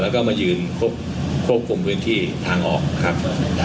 แล้วก็มายืนควบคุมพื้นที่ทางออกครับ